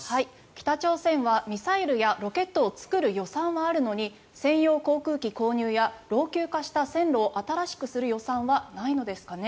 北朝鮮は、ミサイルやロケットを作る予算はあるのに専用航空機購入や老朽化した線路を新しくする予算はないのですかね？